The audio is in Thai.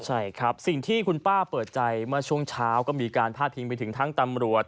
ใช่ครับสิ่งที่คุณป้าเปิดใจเมื่อช่วงเช้าก็มีการพาดพิงไปถึงทั้งตำรวจ